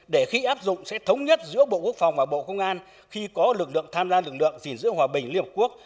để khi áp dụng sẽ thống nhất giữa bộ quốc phòng và bộ công an khi có lực lượng tham gia lực lượng gìn giữ hòa bình liên hợp quốc